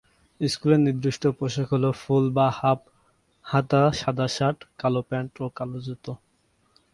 স্কুলের নির্দিষ্ট পোশাক হল ফুল বা হাফ হাতা সাদা শার্ট, কালো প্যান্ট ও কালো জুতো।